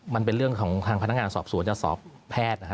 มันเป็นเรื่องของทางพนักงานสอบสวนจะสอบแพทย์นะฮะ